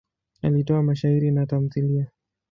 Alitoa mashairi na tamthiliya.